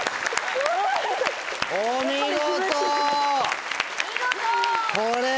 お見事！